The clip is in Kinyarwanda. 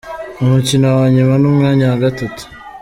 Umukino wa nyuma n’umwanya wa gatatu.